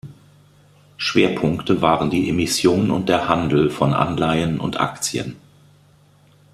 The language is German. Schwerpunkte waren die Emission und der Handel von Anleihen und Aktien.